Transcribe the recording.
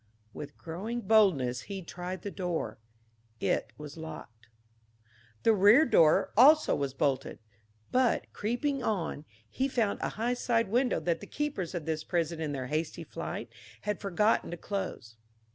With growing boldness he tried the door. It was locked. The rear door also was bolted; but, creeping on, he found a high side window that the keepers of this prison in their hasty flight had forgotten to close.